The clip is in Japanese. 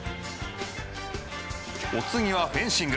お次はフェンシング。